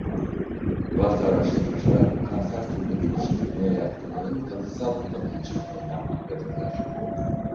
Bazı araştırmacılar bu kanser türünü geliştirmeye yatkınlığın kalıtsal olabileceğine inanmaktadırlar.